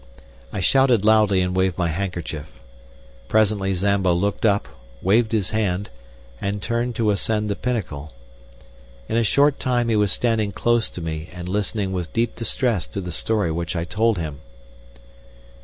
I shouted loudly and waved my handkerchief. Presently Zambo looked up, waved his hand, and turned to ascend the pinnacle. In a short time he was standing close to me and listening with deep distress to the story which I told him.